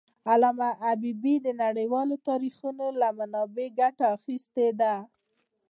علامه حبيبي د نړیوالو تاریخونو له منابعو ګټه اخېستې ده.